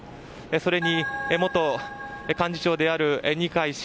それに元幹事長である二階氏